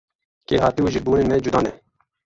Kêrhatî û jîrbûnên me cuda ne.